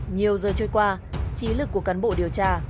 nhiều giờ trôi qua trí lực của cán bộ điều tra